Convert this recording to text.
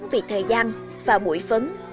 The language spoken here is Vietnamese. vì thời gian và bụi phấn